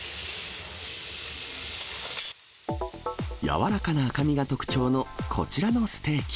柔らかな赤身が特徴のこちらのステーキ。